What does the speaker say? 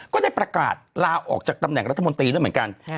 ก็ได้ประกาศลาออกจากตำแหน่งรัฐมนตรีด้วยเหมือนกัน